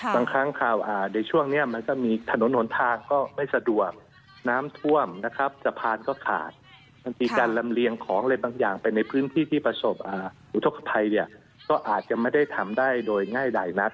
บางครั้งข่าวในช่วงนี้มันก็มีถนนหนทางก็ไม่สะดวกน้ำท่วมนะครับสะพานก็ขาดบางทีการลำเลียงของอะไรบางอย่างไปในพื้นที่ที่ประสบอุทธกภัยเนี่ยก็อาจจะไม่ได้ทำได้โดยง่ายใดนัก